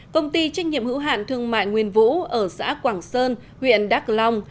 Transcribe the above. công ty trách nhiệm hữu hạn thương mại nguyên vũ ở xã quảng sơn huyện đắk long